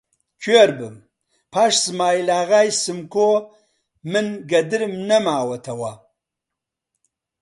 کوێر بم، پاش سمایلاغای سمکۆ من گەدرم نەماوەتەوە!